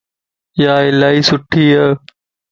اھا الائي سٺي ا